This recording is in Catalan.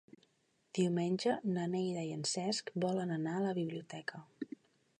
Diumenge na Neida i en Cesc volen anar a la biblioteca.